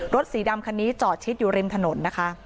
สีดำคันนี้จอดชิดอยู่ริมถนนนะคะ